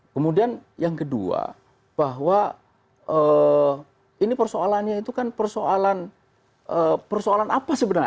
kemudian yang kedua bahwa ini persoalannya itu kan persoalan apa sebenarnya